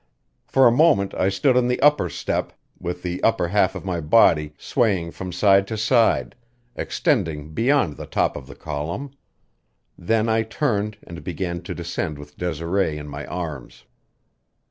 For a moment I stood on the upper step with the upper half of my body, swaying from side to side, extending beyond the top of the column; then I turned and began to descend with Desiree in my arms.